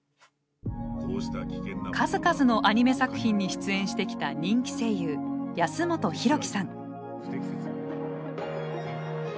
数々のアニメ作品に出演してきた人気声優安元洋貴さん。